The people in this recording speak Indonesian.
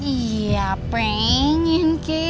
iya pengen kek